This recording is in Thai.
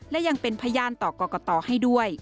และยังเป็นพยานต่อกรกตให้ด้วย